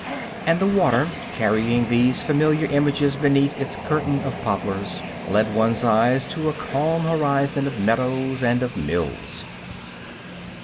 And the water, carrying these familiar images beneath its curtain of poplars, led one's eyes to a calm horizon of meadows and of mills.